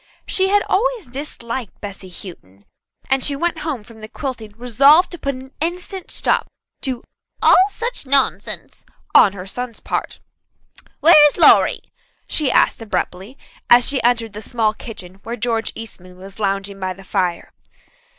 She had always disliked Bessy Houghton, and she went home from the quilting resolved to put an instant stop to "all such nonsense" on her son's part. "Where is Lawrie?" she asked abruptly; as she entered the small kitchen where George Eastman was lounging by the fire.